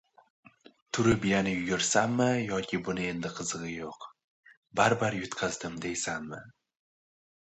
Turib yana yugursammi yoki buni endi qizigʻi yoʻq, baribir yutqazdim deysanmi?